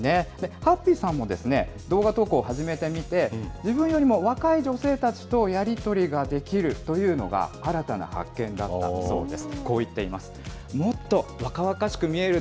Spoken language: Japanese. ハッピーさんも動画投稿を始めてみて、自分よりも若い女性たちとやり取りができるというのが、新たな発見だったそうです。